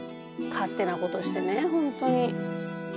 勝手なことしてね本当に。